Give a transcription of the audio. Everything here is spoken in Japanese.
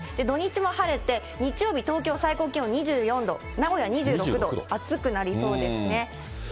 土日も晴れて、日曜日、東京は最高気温２４度、名古屋２６度、暑くなりそうですね。